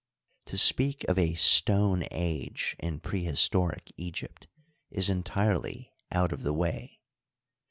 To speak of a " Stone age " in prehistoric Egypt is en tirely out of the way.